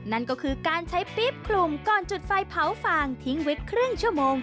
นั่นก็คือการใช้ปี๊บคลุมก่อนจุดไฟเผาฟางทิ้งไว้ครึ่งชั่วโมง